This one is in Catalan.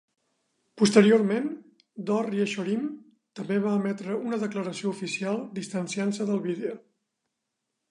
Posteriorment Dor Yeshorim també va emetre una declaració oficial distanciant-se del vídeo.